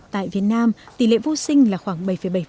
tại việt nam tỷ lệ vô sinh là khoảng bảy bảy